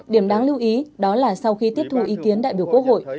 điểm đáng lưu ý đó là sau khi tiếp thu ý kiến đại biểu quốc hội